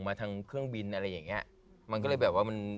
มาถึงเครื่องบินอะไรแบบเนี้ย